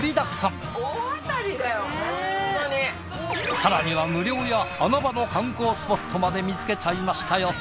更には無料や穴場の観光スポットまで見つけちゃいましたよ。